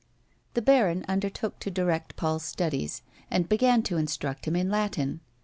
The baron undertook to direct Paul's studies, and began to instruct him in Latin.